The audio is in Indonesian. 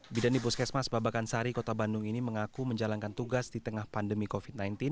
bidan di puskesmas babakan sari kota bandung ini mengaku menjalankan tugas di tengah pandemi covid sembilan belas